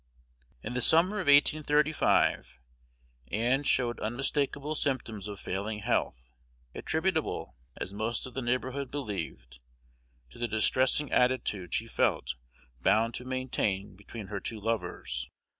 In the summer of 1835 Ann showed unmistakable symptoms of failing health, attributable, as most of the neighborhood believed, to the distressing attitude she felt bound to maintain between her two lovers.